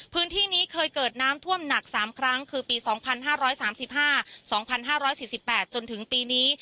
พื้นที่นี้เคยเกิดน้ำท่วมหนัก๓ครั้งคือปี๒๕๓๕๒๕๔๘จนถึงปีนี้